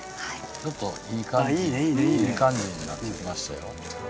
ちょっといい感じにいい感じになってきましたよ。